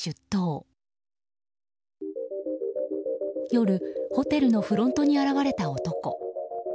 夜、ホテルのフロントに現れた男。